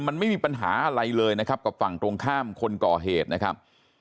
มันไม่มีปัญหาอะไรเลยนะครับกับฝั่งตรงข้ามคนก่อเหตุนะครับ